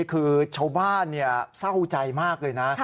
คือชาวบ้านเศร้าใจมากเลยนะ